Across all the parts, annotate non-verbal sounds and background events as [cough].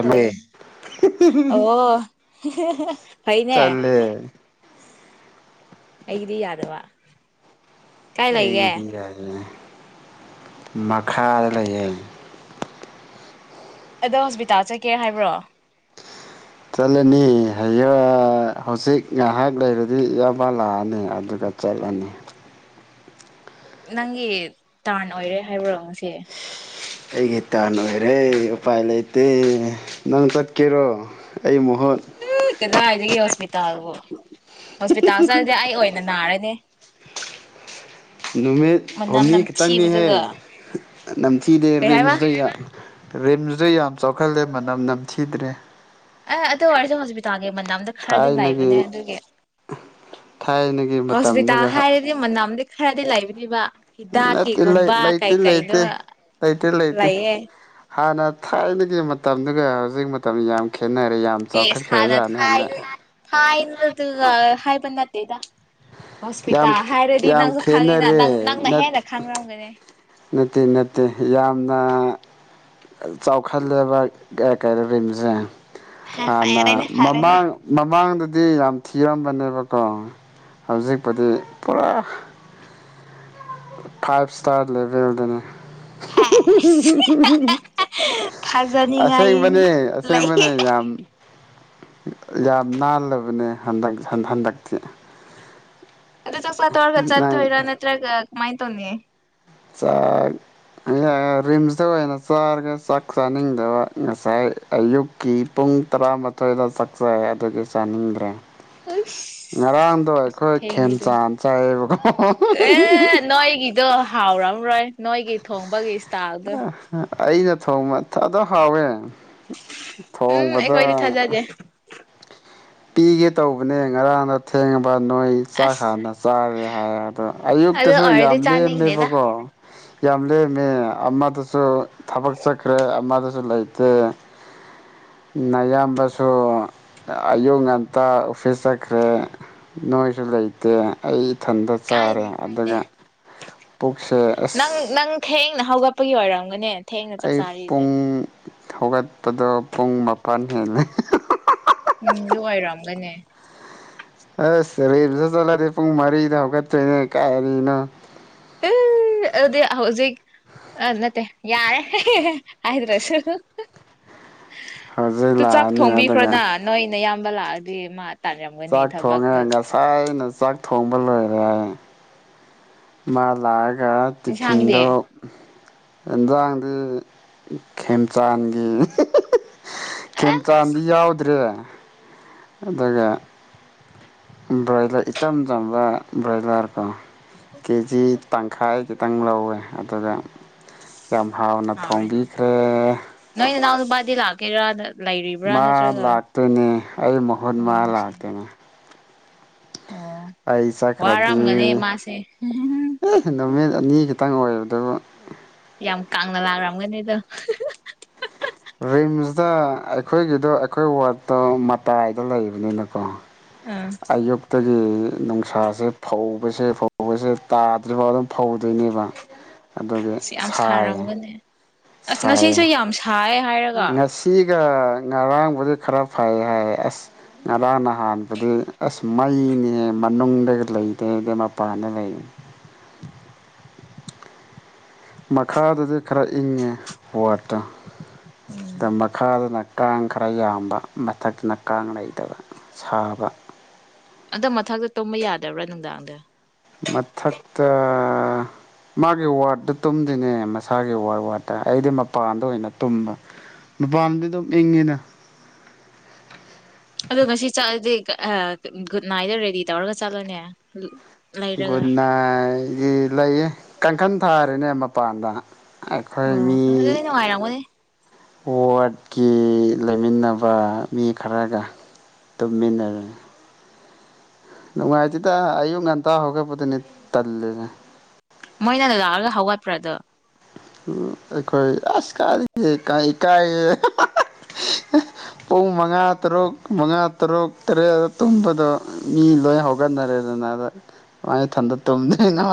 Hello ꯑꯣ ꯐꯩꯅꯦ ꯆꯠꯂꯦ ꯑꯩꯗꯤ ꯌꯥꯗ ꯋꯥ ꯑꯩꯒꯤꯗꯤꯔꯥꯖꯅꯦ ꯃꯈꯥꯗ ꯂꯩꯌꯦ ꯑꯗꯣ ꯍꯣꯁꯄꯤꯇꯥꯜ ꯆꯠꯀꯦ ꯍꯥꯏꯕ꯭ꯔꯣ ꯆꯠꯂꯅꯤ ꯍꯡ ꯍꯧꯖꯤꯛ ꯉꯥꯏꯍꯥꯛ ꯂꯩꯔꯗꯤ ꯏꯌꯥꯕꯥ ꯂꯥꯛꯑꯅꯤ ꯑꯗꯨꯒ ꯆꯠꯂꯅꯤ ꯅꯪꯒꯤ ꯇꯔꯟ ꯑꯣꯏꯔꯦ ꯍꯥꯏꯕꯨꯔꯣ ꯉꯁꯦ ꯑꯩꯒꯤ ꯇꯟ ꯑꯣꯏꯔꯦ ꯎꯄꯥꯏ ꯂꯩꯇꯦ ꯅꯪ ꯆꯠꯀꯦꯔꯣ ꯑꯩ ꯃꯨ ꯎ ꯀꯗꯥ ꯍꯥꯏꯗꯒꯤ ꯌꯧꯁꯃꯤ ꯇꯥꯎꯣ ꯍꯣꯁꯄꯤꯇꯥꯜꯗꯤ ꯑꯩ ꯑꯣꯏ ꯅꯅꯥꯔꯅꯦ ꯅꯨꯃꯤꯠ ꯍꯨꯝꯅꯤ ꯈꯤꯇꯪꯅꯤꯍꯦ ꯅꯝꯊꯤꯕꯗꯨꯒ ꯅꯝꯊꯤꯗꯦ ꯀꯩ ꯍꯥꯏꯕ ꯔꯤꯝꯁꯇ ꯔꯤꯝꯁ ꯁ ꯌꯥꯝ ꯆꯥꯎꯈꯠꯂꯦ ꯃꯅꯝ ꯅꯝꯊꯤꯗ꯭ꯔꯦ ꯑꯦ ꯑꯗꯨ ꯑꯣꯏꯔꯁꯨ ꯍꯣꯁꯄꯤꯇꯥꯜꯒꯤ ꯃꯅꯥꯝꯗ ꯈꯔꯗꯤ ꯊꯥꯏꯅꯒꯤ ꯂꯩꯕꯅꯦ ꯑꯗꯨꯒꯤ ꯊꯥꯏꯅꯒꯤ ꯍꯣꯁꯄꯤꯇꯥꯜ ꯃꯇꯝꯗꯨꯒ ꯍꯥꯏꯔꯗꯤ ꯃꯅꯝ ꯈꯔꯗꯤ ꯂꯩꯕꯅꯤꯕ ꯂꯩꯠꯇꯦ ꯂꯩ ꯂꯩꯇꯦ ꯂꯩꯇꯦ ꯂꯩꯇꯦ ꯂꯩꯇꯦ ꯂꯩꯌꯦ ꯍꯥꯟꯅ ꯊꯥꯏꯅꯒꯤ ꯃꯇꯝꯗꯨꯒ ꯍꯧꯖꯤꯛ ꯃꯇꯝ ꯌꯥꯝꯈꯤ ꯍꯁ ꯍꯅ ꯍꯥꯏ ꯐ ꯑꯗꯨ ꯍꯥꯏ ꯇꯩꯗ ꯌꯥꯝ ꯍꯣꯁꯄꯤꯇꯥꯜ ꯍꯥꯏꯔꯗꯤ ꯌꯥꯝ ꯅꯪꯁꯨ ꯈꯪꯉꯤꯅ ꯈꯦꯠꯅꯔꯦ ꯅꯪꯅ ꯅꯠ ꯍꯦꯟꯅ ꯈꯪꯅꯔꯝꯒꯅꯦ ꯅꯠꯇꯦ ꯅꯠꯇꯦ ꯌꯥꯝꯅ ꯆꯥꯎꯈꯠꯂꯦꯕ ꯀꯩꯗꯔꯤꯕꯁꯦ ꯍꯥ ꯍꯥꯟꯅ ꯐꯔꯦꯅꯦ ꯐꯔꯦꯅꯦ ꯃꯃꯥꯡ ꯃꯃꯥꯡꯗ ꯗꯤ ꯌꯥꯝ ꯊꯤꯔꯝꯕꯅꯦꯕꯀꯣ ꯍꯧꯖꯤꯛꯄꯨꯗꯤ ꯄꯨꯔꯥ ꯐꯥꯏꯚ ꯏꯁꯇꯥꯔ ꯂꯦꯚꯦꯜꯗꯅꯤ ꯐꯖꯅꯤꯡꯉꯥꯏ ꯑꯁꯦꯡꯕꯅꯦ ꯂꯩꯌꯦ ꯑꯁꯦꯡꯕꯅꯦ ꯌꯥꯝ ꯌꯥꯝ ꯅꯥꯜꯂꯕꯅꯦ ꯍꯟꯗꯛ ꯍꯟꯗꯛꯇꯤ ꯑꯗꯨ ꯆꯥꯛ ꯇꯣꯛꯑꯒ ꯅꯪ ꯆꯣꯏꯇꯣꯏꯔꯣ ꯅꯠꯇ꯭ꯔꯒ ꯃꯥꯏ ꯇꯅꯤ ꯥꯆꯥꯛ ꯔꯤꯝꯁꯇ ꯑꯣꯏꯅ ꯆꯥꯔꯒ ꯆꯥꯛ ꯆꯥꯅꯤꯡꯗꯕ ꯉꯁꯥꯏ ꯑꯌꯨꯛꯀꯤ ꯄꯨꯡ ꯇꯔꯥꯃꯥꯊꯣꯏꯗ ꯆꯥꯛ ꯆꯥꯏ ꯑꯗꯨꯒꯤ ꯆꯥꯅꯤꯡꯗ꯭ꯔꯦ ꯉꯔꯥꯡꯗꯣ ꯑꯩꯁ ꯑꯁꯨꯛ ꯑꯩꯈꯣꯏ ꯊꯦꯡꯕꯗꯨ ꯈꯦꯝꯆꯥꯟ ꯆꯥꯏꯌꯦꯕꯀꯣ ꯍꯥꯎ ꯔꯝ ꯔꯣꯏ ꯅꯣꯏꯒꯤ ꯊꯣꯡꯕꯒꯤ ꯏꯁꯇ꯭ꯌꯜ ꯗꯣ ꯑꯩꯅ ꯊꯣꯡꯕ ꯑꯗꯣ ꯍꯥꯎꯋꯦ ꯎꯝ ꯊꯣꯡꯕꯗ ꯑꯩꯈꯣꯏꯗꯤ ꯊꯥꯖꯗꯦ ꯄꯤꯒꯦ ꯇꯧꯕꯅꯦ ꯉꯔꯥꯡꯗ ꯊꯦꯡꯉꯕ ꯅꯣꯏ ꯆꯥꯛ ꯑꯁ ꯍꯥꯟꯅ ꯆꯥꯔꯦ ꯍꯥꯏ ꯑꯗꯣ ꯑꯗꯨ ꯑꯌꯨꯛꯇꯁꯨ ꯑꯣꯏꯔꯗꯤ ꯌꯥꯝ ꯆꯥꯅꯤꯡꯗꯦꯗ ꯂꯦꯝꯃꯦꯕꯀꯣ ꯌꯥꯝ ꯂꯦꯝꯃꯦ ꯑꯃꯗꯁꯨ ꯊꯕꯛ ꯆꯠꯈ꯭ꯔꯦ ꯑꯃꯗꯁꯨ ꯂꯩꯇꯦ ꯅꯌꯥꯝꯕꯁꯨ ꯑꯌꯨꯛ ꯉꯟꯇꯥ ꯑꯣꯐꯤꯁ ꯆꯠꯈ꯭ꯔꯦ ꯅꯣꯏꯁꯨ ꯂꯩꯇꯦ ꯑꯩ ꯏꯊꯟꯇ ꯆꯥꯔꯦ ꯀꯥꯏꯗꯦ ꯀꯥꯏꯗꯦ ꯑꯗꯨꯒ ꯄꯨꯛꯁꯦ ꯑꯁ ꯅ ꯍꯧꯒꯠꯄꯒꯤ ꯑꯣꯏꯔꯝꯒꯅꯦ ꯊꯦꯡꯅ ꯆꯥꯛ ꯑꯩ ꯆꯥꯔꯤꯗꯣ ꯄꯨꯡ ꯍꯧꯒꯠꯄꯗꯣ ꯄꯨꯡ ꯃꯥꯄꯜ ꯍꯦꯜꯂꯦ ꯎꯝ ꯑꯗꯨꯅ ꯑꯣꯏꯔꯑꯝꯒꯅꯦ ꯑꯁ ꯔꯤꯝꯁꯇꯒ ꯆꯠꯂꯗꯤ ꯄꯨꯡ ꯃꯔꯤꯗ ꯍꯧꯒꯠꯇꯣꯏꯅꯦ ꯀꯥꯏꯗꯩꯅꯣ ꯗꯤ ꯍꯧꯖꯤꯛ ꯑ ꯅꯠꯇꯦ ꯌꯥꯔꯦ ꯍꯥꯏ꯭ꯗꯔꯁꯨ ꯍꯧꯖꯤꯛ ꯂꯥꯛꯑꯅꯤ ꯑꯗꯨꯒ ꯑꯝꯕ ꯂꯥꯛꯑꯗꯤ ꯃꯥ ꯇꯥꯟꯔꯝꯒꯅꯤ ꯆꯥꯛ ꯊꯣꯡꯉꯦ ꯊꯕꯛꯇꯨ ꯉꯁꯥꯏꯅ ꯆꯥꯛ ꯊꯣꯡꯕ ꯕ ꯂꯣꯏꯔꯦ ꯃꯥ ꯂꯥꯛꯑꯥ ꯏꯟꯁꯥꯡꯗꯤ ꯇꯤꯐꯤꯟꯗꯣ ꯏꯟꯖꯥꯡꯗꯤ ꯈꯦꯝꯆꯥꯟꯒꯤ ꯑꯁ ꯈꯦꯝꯆꯥꯟꯗꯤ ꯌꯥꯎꯗ꯭ꯔꯦ ꯑꯗꯨꯒ ꯕ꯭ꯔꯣꯏꯂꯔ ꯏꯆꯝ ꯆꯝꯕ ꯕ꯭ꯔꯣꯏꯂꯔ ꯀꯣ ꯀꯦꯖꯤ ꯇꯪꯈꯥꯏ ꯈꯤꯇꯪ ꯂꯧꯋꯦ ꯑꯗꯨꯗ ꯌꯥꯝ ꯍꯥꯎꯅ ꯊꯣꯡꯕꯤꯈ꯭ꯔꯦ ꯕꯥꯗꯤ ꯂꯥꯛꯀ ꯔꯗ ꯃꯥ ꯂꯥꯛꯇꯣꯏꯅꯦ ꯑꯩ ꯃꯍꯨꯠ ꯃꯥ ꯑꯣ ꯁꯦ ꯂꯥꯛꯇꯣꯏꯅꯦ ꯑꯣ ꯑꯩ ꯋꯥꯔꯝꯒꯅꯤ ꯆꯈ꯭ꯔꯗꯤꯦ ꯃꯥꯁꯦ ꯅꯃꯦ ꯈꯤꯇꯪ ꯑꯣꯏꯕꯗꯨꯕꯨ ꯌꯥꯝ ꯀꯥꯡꯅ ꯂꯥꯛꯔꯝꯒꯅꯤꯗꯣ ꯔꯤꯝꯁꯇ ꯑꯩꯈꯣꯏꯒꯤꯗꯣ ꯑꯩꯈꯣꯏ ꯋꯥꯔꯠꯇꯣ ꯃꯇꯥꯏꯗ ꯂꯩꯕꯅꯤꯅꯀꯣ ꯑꯥ ꯑꯌꯛꯇꯛꯇ ꯒꯤ ꯅꯨꯡꯁꯥꯁꯦ ꯐꯧꯕꯁꯦ ꯐꯧꯕꯁꯦ ꯇꯥꯗ꯭ꯔꯤꯐꯥꯎ ꯑꯗꯨꯝ ꯐꯧꯗꯣꯏꯅꯦꯕ ꯑꯗꯨꯒꯤ ꯁꯤ ꯌꯥꯝ ꯁꯥꯏꯌꯦ ꯁꯥꯔꯝꯒꯅꯤ ꯑꯁ ꯉꯁꯤꯁꯨ ꯌꯥꯝ ꯁꯥꯏ ꯍꯥꯏꯔꯒ ꯉꯁꯤ ꯒ ꯉꯔꯥꯡꯕꯨꯗꯤ ꯈꯔ ꯐꯩ ꯍꯥꯏ ꯑꯁ ꯉꯔꯥꯡ ꯅꯍꯥꯟꯕꯨꯗꯤ ꯑꯁ ꯃꯩꯅꯤꯍꯦ ꯃꯅꯨꯡꯗ ꯂꯩꯗꯦ ꯃꯄꯥꯟꯗ ꯂꯩ ꯃꯈꯥꯗꯗꯤ ꯈꯔ ꯏꯪꯉꯦ ꯋꯥꯠꯇ ꯎꯝ ꯃꯈꯥꯗꯅ ꯀꯥꯡ ꯈꯔ ꯌꯥꯝꯕ ꯃꯊꯛꯇꯅ ꯀꯥꯡ ꯂꯩꯇꯕ ꯁꯥꯕ ꯑꯗ ꯃꯊꯛꯇ ꯇꯨꯝꯕ ꯌꯥꯗꯕ꯭ꯔꯥ ꯅꯨꯡꯗꯥꯡꯗꯤ ꯃꯊꯛꯇ ꯃꯥꯒꯤ ꯋꯥꯔꯗꯠꯇ ꯇꯨꯝꯗꯣꯏꯅꯦ ꯃꯁꯥꯒꯤ ꯋꯥꯔꯗ ꯋꯥꯔꯠꯇ ꯑꯩꯗꯤ ꯃꯄꯥꯟꯗ ꯑꯣꯏꯅ ꯇꯨꯝꯕ ꯃꯄꯥꯟꯗꯤ ꯑꯗꯨꯝ ꯏꯪꯉꯤꯅ ꯑꯗꯣ ꯉꯁꯤ ꯆꯠꯂꯗꯤ ꯒꯨꯗ ꯅꯥꯏꯠꯇꯗ ꯔꯦꯗꯤ ꯇꯧꯔꯒ ꯆꯠꯂꯣꯅꯦ ꯂꯩꯔꯒ ꯒꯨꯠꯅꯥꯏꯏꯤ ꯂꯩꯌꯦ ꯀꯥꯡꯈꯟ ꯊꯥꯔꯤꯅꯦ ꯃꯄꯥꯟꯗ ꯑꯩꯈꯣꯏ ꯑꯣ ꯃꯤ ꯑꯗꯨꯗꯤ ꯅꯨꯡꯉꯥꯏꯔꯝꯒꯅꯤ ꯋꯥꯔꯗꯠꯀꯤ ꯂꯩꯃꯤꯟꯅꯕ ꯃꯤ ꯈꯔꯒ ꯇꯨꯝꯃꯤꯟꯅꯔ ꯅꯨꯡꯉꯥꯏꯇꯦꯗ ꯑꯌꯨꯛ ꯉꯟꯇꯥ ꯍꯧꯒꯠꯕꯗꯨꯅꯤ ꯇꯜꯂꯤꯦꯁꯦ ꯃꯣꯏꯅ ꯑꯗꯨ ꯂꯥꯛꯑꯒ ꯍꯧꯒꯠꯄ꯭ꯔꯗꯣ ꯑꯩꯈꯣꯏ ꯑꯁ ꯀꯥꯗꯒꯤ ꯏꯀꯥꯏ ꯄꯨꯡ ꯃꯉꯥ ꯇꯔꯨꯛ ꯃꯉꯥ ꯇꯔꯨꯛ ꯇꯔꯦꯠ ꯇꯨꯝꯕꯗꯣ ꯃꯤ ꯂꯣꯏ ꯍꯧꯒꯠꯅꯔꯦꯗꯅ ꯑꯗ ꯁꯃꯥꯏꯅ ꯏꯊꯟꯗ ꯇꯨꯝꯗꯣꯏꯅ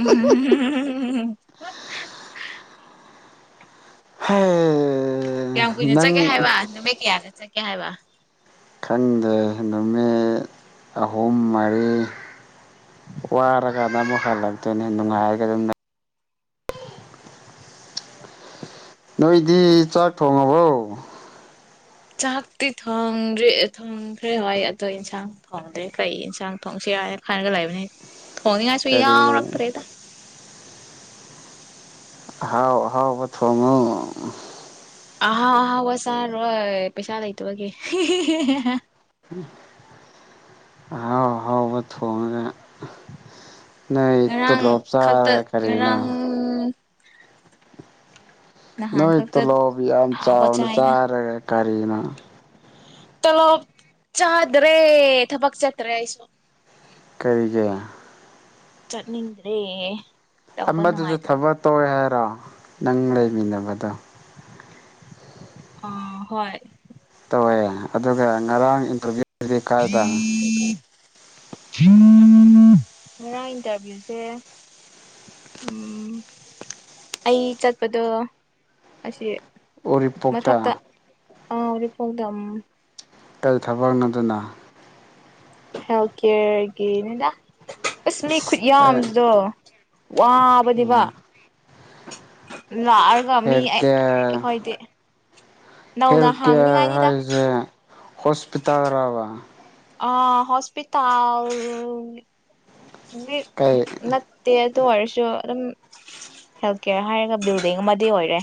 ꯎꯍꯨꯝꯎꯍꯨꯝ ꯎꯝ ꯍꯝ ꯀꯌꯥꯝ ꯀꯨꯏꯅ ꯆꯠꯀꯦ ꯍꯥꯏꯕ ꯅꯨꯃꯤꯠ ꯀꯌꯥꯗ ꯆꯠꯀꯦ ꯍꯥꯏꯕ ꯈꯪꯗꯦ ꯅꯨꯃꯤꯠ ꯑꯍꯨꯝ ꯃꯔꯤ ꯋꯥꯔꯒ ꯑꯃꯨꯛ ꯍꯜꯂꯛꯇꯣꯏꯅꯤ ꯅꯨꯡꯉꯥꯏꯔꯒ ꯑꯗꯨꯝ ꯅꯣꯏꯗꯤ ꯆꯥꯛ ꯊꯣꯡꯉꯕꯣ [inaudible] ꯆꯥꯛꯇꯤ ꯊꯣꯡꯗ꯭ꯔꯦ ꯊꯣꯡꯈ꯭ꯔꯦ ꯍꯣꯏ ꯑꯗꯣ ꯏꯟꯁꯥꯡ ꯊꯣꯡꯗ꯭ꯔꯦ ꯀꯔꯤ ꯏꯟꯁꯥꯡ ꯊꯣꯡꯁꯤ ꯍꯥꯏ ꯍꯥꯏꯅ ꯈꯔꯒ ꯂꯩꯕꯅꯤ ꯊꯅꯤꯡꯁꯨꯏ ꯀꯔꯤ ꯌꯥꯔꯛꯇꯔꯦꯗ ꯍꯥꯎ ꯍꯥꯎ ꯄꯊ ꯉ ꯑꯍꯥꯎ ꯑꯍꯥꯎꯋꯥ ꯁꯥꯔꯣꯏ ꯄꯩꯁꯥ ꯂꯩꯇꯕꯒꯤ ꯑꯥꯎ ꯍꯥꯎ ꯐꯒ ꯉꯔꯥꯡ ꯈꯛꯇ ꯉꯔꯥꯡ ꯅꯍꯥꯟ ꯅꯣꯏ ꯈꯛꯇ ꯇꯂꯣꯕꯤ ꯌꯥꯝ ꯍꯥꯎꯕ ꯆꯥꯎꯅ ꯆꯥꯔꯒ ꯀꯔꯤꯅ ꯆꯂꯣ ꯆꯥꯗ꯭ꯔꯦ ꯊꯕꯛ ꯆꯠꯇ꯭ꯔꯦꯁꯨꯣ ꯀꯔꯤꯒꯤ ꯆꯠꯅꯤꯗ꯭ꯔꯦ ꯑꯃꯗꯨꯁꯨ ꯊꯕꯛ ꯇꯧꯋꯦ ꯍꯥꯏꯔꯣ ꯅꯪ ꯂꯩꯃꯤꯟꯅꯕꯗꯣ ꯑ ꯍꯣꯏ ꯍꯣꯏ ꯑꯗꯨꯒ ꯉꯔꯥꯡ ꯏꯟꯇꯔꯚꯤꯌꯨ ꯀꯥꯏꯗ ꯉꯔꯥꯡ ꯏꯟꯇꯔꯚꯤꯌꯨꯁꯦ ꯎꯝ ꯑꯩ ꯆꯠꯄꯗꯣ ꯑꯁꯤ ꯎꯔꯤꯄꯣꯛꯇꯥ ꯑ ꯎꯔꯤꯄꯣꯛꯇ ꯀꯩ ꯊꯕꯛꯅꯣ ꯑꯗꯨꯅ ꯍꯦꯜꯠ ꯀꯌꯔ ꯒꯤꯅꯤꯗ ꯑꯁ ꯃꯤ ꯈꯨꯌꯥꯝꯁꯤꯗꯣ ꯋꯥꯕꯅꯦꯕ ꯂꯥꯛꯑꯒ ꯃꯤ ꯑꯩꯈꯣꯏꯗꯤ ꯅꯧꯅ ꯍꯦꯜꯊ ꯀꯦꯌꯔ ꯍꯥꯡꯅꯤꯉꯥꯏꯅꯤꯗ ꯍꯥꯏꯁꯦ ꯍꯣꯁꯄꯤꯇꯥꯜ ꯔꯕ ꯑ ꯍꯁꯄꯤꯇꯥꯜ ꯃꯤ ꯀꯩ ꯅꯠꯇꯦ ꯑꯗꯨ ꯑꯣꯏꯔꯁꯨ ꯑꯗꯨꯝ ꯍꯦꯜꯊ ꯀꯦꯌꯔ ꯍꯥꯏꯔꯒ ꯕꯤꯜꯗꯤꯡ ꯑꯃꯗꯤ ꯑꯣꯏꯔꯦ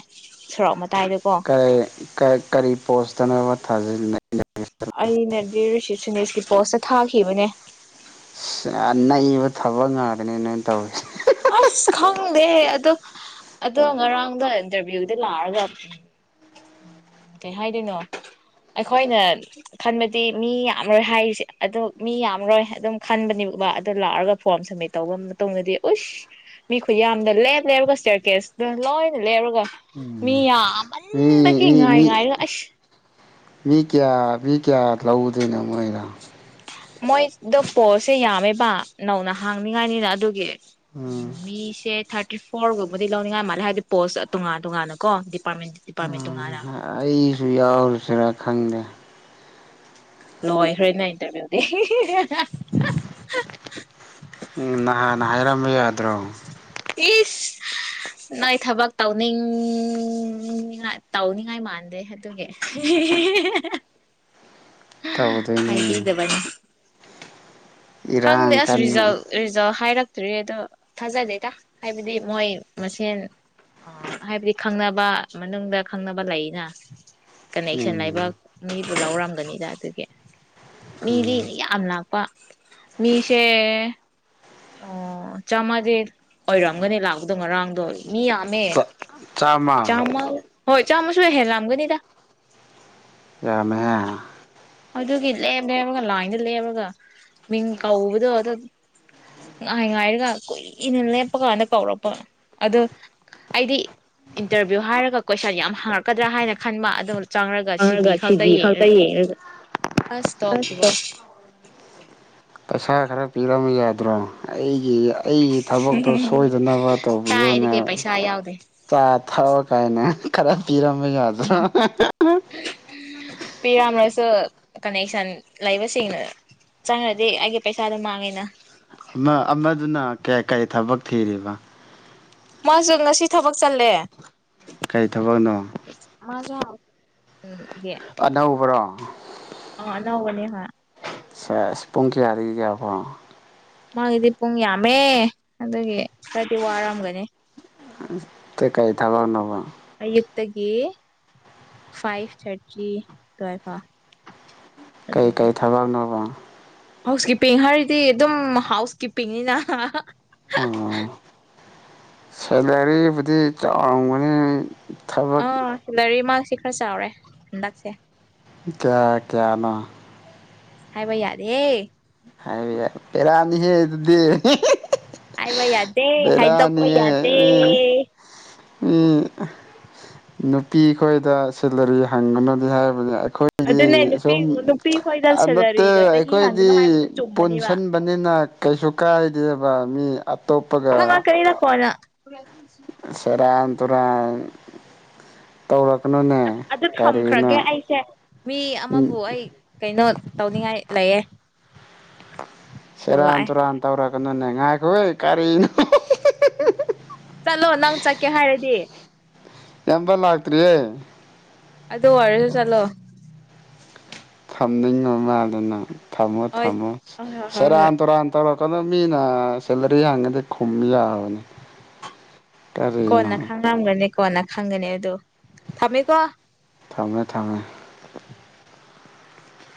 ꯁꯣꯔꯣꯛ ꯃꯇꯥꯏꯗꯀꯣ ꯀꯩ ꯀꯩ ꯀꯔꯤ ꯄꯣꯁꯇꯅꯕꯣ ꯊꯥꯖꯤꯟꯅꯩ ꯑꯩ ꯅꯗꯤ ꯔꯤꯁꯤꯁꯦꯅꯤꯁꯁꯤꯁ ꯄꯣꯁꯇ ꯊꯥꯈꯤꯕꯅꯦ ꯌꯥꯝ ꯅꯩꯕ ꯊꯕꯛ ꯉꯥꯛꯇꯅꯤ ꯅꯣꯏꯅ ꯇꯧꯔꯤꯁꯦ ꯑꯁ ꯈꯪꯗꯦ ꯑꯗꯣ ꯑꯗꯣ ꯉꯔꯥꯡꯗ ꯏꯟꯇꯔꯚꯤꯌꯨꯗꯤ ꯂꯥꯛꯑꯒ ꯎ ꯀꯩ ꯍꯥꯏꯗꯣꯏꯅꯣ ꯑꯩꯈꯣꯏꯅ ꯈꯟꯕꯗꯤ ꯃꯤ ꯌꯥꯝꯔꯣꯏ ꯍꯥꯏꯔꯤꯁꯦ ꯑꯗꯣ ꯃꯤ ꯌꯥꯝꯔꯣꯏ ꯑꯗꯨꯝ ꯈꯟꯕꯅꯦꯕꯕꯥ ꯑꯗꯨꯗꯣ ꯂꯥꯛꯑꯒ ꯐꯣꯔꯝ ꯁꯃꯤꯠ ꯇꯧꯕ ꯃꯇꯨꯡꯗꯗꯤ ꯎꯁ ꯃꯤ ꯈꯨꯌꯥꯝꯗ ꯂꯦꯞ ꯂꯦꯞꯔꯒ ꯏꯁꯇꯤꯌꯥꯔ ꯀꯦꯁꯇ ꯂꯣꯏꯅ ꯂꯦꯞꯔꯒ ꯎꯝ ꯃꯤ ꯃꯤ ꯃꯤ ꯉꯣꯏꯔ ꯑꯁ ꯃꯤ ꯀꯌꯥ ꯃꯤ ꯀꯌꯥ ꯂꯧꯗꯣꯏꯅꯣ ꯃꯣꯏꯅ ꯃꯣꯏꯗꯣ ꯄꯣꯁꯁꯦ ꯌꯥꯝꯃꯦꯕ ꯅꯧꯅ ꯍꯥꯡꯅꯤꯡꯉꯥꯏꯅꯤꯅ ꯑꯗꯨꯒꯤ ꯎ ꯎꯝ ꯃꯤꯁꯦ ꯊꯥꯔ ꯇꯥꯔꯇꯤ ꯐꯣꯔꯒꯨꯝꯕꯗꯤ ꯂꯧꯅꯤꯡꯉꯥꯏ ꯃꯥꯜꯂꯦ ꯍꯥꯏꯕꯗꯤ ꯄꯣꯁ ꯇꯣꯉꯥꯟ ꯇꯣꯉꯥꯟꯅꯀꯣ ꯎꯝ ꯑꯩꯁꯨ ꯌꯥꯎꯁꯤꯔ ꯈꯪꯗꯦ ꯂꯣꯏꯈ꯭ꯔꯦꯅ ꯏꯟꯇꯔꯚꯤꯌꯨꯗꯤ ꯎꯝ ꯅꯍꯥꯟ ꯅ ꯍꯥꯏꯔꯝꯕ ꯌꯥꯗ꯭ꯔꯣ ꯏꯁ ꯅꯣꯏ ꯊꯕꯛ ꯇꯧꯅꯤꯡꯉꯥꯏ ꯇꯧꯅꯤꯡꯉꯥꯏ ꯃꯥꯟꯗꯦ ꯑꯗꯨꯒꯤ ꯇꯧꯗꯣꯏꯅꯤꯅꯦ ꯍꯥꯏꯕꯤꯗꯕꯅꯤ ꯈꯪꯗꯦ ꯏꯔꯥꯡ ꯑꯁ ꯀꯟꯕ ꯔꯤꯖꯜ ꯔꯤꯖꯜ ꯍꯥꯏꯔꯛ꯫ ꯇ꯭ꯔꯤ ꯑꯗ ꯊꯥꯖꯗꯦꯗ ꯍꯥꯏꯕꯗꯤ ꯃꯣꯏ ꯃꯁꯦꯟ ꯍꯥꯏꯕꯗꯤ ꯈꯪꯅꯕ ꯃꯅꯨꯡꯗ ꯈꯪꯅꯕ ꯂꯩꯅ꯫ ꯀꯅꯦꯛꯁꯟ ꯂꯩꯕ ꯎꯝ ꯃꯤꯗꯨ ꯂꯧꯔꯝꯒꯅꯤꯗ ꯑꯗꯨꯗꯤ꯫ ꯫ ꯃꯤꯗꯤ ꯎꯝ ꯌꯥꯝꯅ ꯂꯥꯛ꯫ ꯄ꯫ ꯃꯤꯁꯦ꯫ ꯑꯣ ꯆꯥꯃꯗꯤ ꯑꯣꯏꯔꯝꯒꯅꯤ ꯂꯥꯛꯄꯗꯣ ꯉꯔꯥꯡꯗꯣ꯫ ꯃꯤꯌꯥꯝꯃꯦ ꯆꯥ ꯆꯥꯝꯃ ꯆꯥꯃ ꯍꯣꯏ꯫ ꯆꯥꯝꯃꯁꯨ ꯍꯦꯜ ꯂꯝꯒꯅꯤꯗ꯫ ꯌꯥꯝꯃ‌ꯦꯍ‌ꯦ꯫ ꯑꯗꯨꯒꯤ ꯂꯦꯞ ꯂꯦꯞꯃꯒ ꯂꯥꯏꯟꯗ ꯂꯦꯞꯄꯒ ꯃꯤꯡ ꯀꯧꯕꯗꯣ ꯑꯗꯨ ꯉꯥꯏ ꯉꯥꯏꯔꯒ ꯀꯨꯏꯅ ꯂꯦꯞꯄꯒꯗ ꯀꯧꯔꯛꯄ ꯑꯗꯨ ꯑꯩꯗꯤ ꯏꯟꯇꯔꯚꯤꯌꯨ ꯍꯥꯏꯔꯒ ꯀꯣꯏꯁꯟ ꯌꯥꯝ ꯍꯥꯡꯉꯛꯀꯗ꯭ꯔꯥ ꯍꯥꯏꯅ ꯈꯟꯕ ꯑꯗꯨ꯫ ꯆꯪꯔꯒ ꯁꯤꯕꯤ ꯈꯛꯇꯪ ꯌ‌ꯦꯡꯔꯒ꯫ ꯑꯁ ꯇꯣꯛꯁꯨꯕ꯫ ꯄꯩꯁꯥ ꯈꯔ ꯄꯤꯔꯝꯃ ꯌꯥꯗ꯭ꯔꯣ ꯑꯩꯒꯤ꯫ ꯑꯩꯒꯤ ꯊꯕꯛꯇꯣ ꯁꯣꯏꯗꯅꯕ ꯇꯧꯕꯤꯌꯣꯅꯦ ꯀꯥꯏꯗꯒꯤ ꯄꯩꯁꯥ ꯌꯥꯎꯗꯦ ꯆꯥ ꯊꯛꯑꯣ ꯀꯥꯏꯅ꯫ ꯈꯔ꯫ ꯄꯤꯔꯝꯕ ꯌꯥꯥꯗ꯭ꯔꫭ꯫ ꯄꯤꯔꯝꯔꯁꯨ ꯀꯅꯦꯛꯁꯟ ꯂꯩꯕꯁꯤꯡꯦꯡꯅ ꯆꯪꯉ꯭ꯔꯗꯤ ꯑꯩꯒꯤ ꯄꯩꯁꯥꯗꯣ ꯃꯥꯡꯉꯦꯅ꯫ ꯑꯃ ꯑꯃꯗꯨꯅ ꯀꯌꯥ ꯀꯔꯤ ꯊꯕꯛ ꯊꯤꯔꯤꯕ꯫ ꯃꯥꯁꯨ ꯉꯁꯤ ꯊꯕꯛ ꯆꯜꯂꯦ꯫ ꯀꯔꯤ ꯊꯕꯛꯅꯣ꯫ ꯃꯖꯨ꯫ ꯑꯅꯧꯕꯔꯣ꯫ ꯫ ꯑ ꯅꯧꯕꯅ‌ꯦ ꯍꯥ꯫ ꯁ‌ꯦꯁ ꯄꯨꯡ ꯀꯌꯥꯗꯒꯤ ꯀꯌꯥꯐꯥꯎ꯫ ꯃꯥꯒꯤꯗꯤ ꯄꯨꯡ ꯌꯥꯝꯃꯦ ꯑꯗꯨꯒꯤ ꯈꯔꯗꯤ ꯋꯥꯔꯝꯒꯅꯤ꯫ ꯎꯝ꯫ ꯇ‌ꯦ ꯀꯩ ꯊꯕꯛ ꯅꫭꯕ꯫ ꯗꯒꯤ ꯐꯥꯏꯚ ꯊꯥꯔꯇꯤ ꯗꯨꯋꯥꯏꯐꯥꯎ꯫ ꯀꯩꯀꯩ ꯊꯕꯛꯅꯣꯕ꯫ ꯍꯥꯎꯁ ꯀꯤꯞꯄꯤꯡ ꯍꯥꯏꯔꯗꯤ ꯑꯗꯨꯝ ꯍꯥꯎꯁ ꯀꯤꯞꯄꯤꯡꯅꯤꯅ꯫ ꯑ ꯁꯂꯔꯤ ꯕꯨꯗꯤ ꯆꯥꯎꯔꯝꯒꯅꯤ꯫ ꯑ ꯊꯕꯛ ꯁꯤꯂꯔꯤ ꯃꯁꯤ꯫ ꯈꯔ ꯆꯥꯎꯔꯦ ꯍꯟꯗꯛꯁꯦ꯫ ꯀꯌꯥ ꯀꯌꯥꯅꫭ꯫ ꯍꯥꯏꯕ ꯌꯥꯗ‌ꯦꯍ‌ꯦ꯫ ꯍꯥꯏꯕ ꯌꯥ ꯄꯦꯔꯥꯅꯤꯍꯦ ꯑꯗꯨꯗꯤ ꯍꯥꯏꯕ ꯌꯥꯗꯦ ꯍꯥꯏꯗ ꯀ ꯕꯦꯔꯥꯅꯤꯌꯦ ꯌꯥꯗꯦ ꯃꯤ ꯅꯨꯄꯤꯈꯣꯏꯗ ꯁꯦꯂꯔꯤ ꯍꯪꯒꯅꯅꯤ ꯍꯥꯏꯕꯗꯤ ꯑꯗꯨꯅꯦ ꯅꯨꯄꯤ ꯅꯨꯄꯤ ꯍꯣꯏꯒꯜ ꯆꯂꯔꯣ ꯅꯠꯇꯦ ꯏꯒ ꯆ ꯍꯤ ꯑꯩꯈꯣꯏꯗꯤ ꯍꯪꯅꯣ ꯍꯥꯏꯕꯗꯨ ꯆꯨꯝꯕꯅꯦꯕ ꯄꯨꯟꯁꯤꯟꯕꯅꯤꯅ ꯀꯩꯁꯨ ꯀꯥꯏ ꯕ ꯃꯤ ꯑ ꯑꯇꯣꯞꯄꯒ ꯀꯩꯗ ꯐꯗ ꯄ꯭ꯔꯁ ꯁꯅꯥ ꯇꯔꯥꯏ ꯇꯧꯔꯛ ꯀꯅꯅꯦ ꯑꯁ ꯑꯗꯨ ꯀꯔꯤꯅ ꯊꯝꯈ꯭ꯔꯒꯦ ꯑꯩꯁꯦ ꯃꯤ ꯑꯃꯕꯨ ꯑꯩ ꯀꯩꯅꯣ ꯇꯧꯅꯤꯡꯉꯥꯏ ꯂꯩꯌꯦ ꯀꯣꯜ ꯁꯦꯔ ꯂꯥꯛꯑꯦ ꯇꯨꯔꯥ ꯇ꯭ꯔ ꯀꯩꯅꯣꯅꯦ ꯉꯥꯏꯈꯣꯏ ꯀꯔꯤꯅꯣ ꯆꯠꯂꯣ ꯅꯪ ꯆꯠꯀꯦ ꯍꯥꯏꯔꯗꯤ ꯏꯌꯥꯝꯕ ꯂꯥꯛꯇ꯭ꯔꯤꯌꯦ ꯑꯗꯣ ꯋꯥꯔꯁꯨ ꯆꯂꯣ ꯊꯝꯅꯤꯡ ꯃ ꯃꯥꯜꯗꯅ ꯊꯝꯃꯣ ꯍꯣꯏ ꯊꯃꯣ ꯍꯣꯏ ꯍꯣꯏ ꯍꯣꯏ ꯁꯦꯔ ꯍꯣꯏ ꯑꯟꯔ ꯑꯟꯇꯔ ꯏꯀꯣꯅꯣꯃꯤꯅ ꯁꯦꯂꯔꯤ ꯍꯥꯡꯉꯗꯤ ꯈꯨꯝ ꯌꯥꯕꯅꯤ ꯀꯔꯤꯅꯣ ꯀꯣꯟꯅ ꯈꯪꯝꯒꯅꯤ ꯀꯣꯟꯅ ꯈꯪꯒꯅꯦ ꯑꯗꯨꯗꯣ ꯊꯝꯃꯦꯀꯣ ꯊꯝꯃꯦ ꯊꯝꯃꯦ